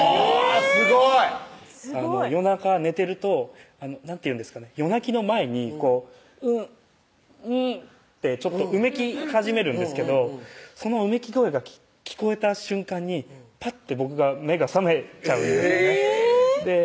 すごい！夜中寝てると何て言うんですかね夜泣きの前にこう「うんうん」ってちょっとうめき始めるんですけどそのうめき声が聞こえた瞬間にパッて僕が目が覚めちゃうえぇ！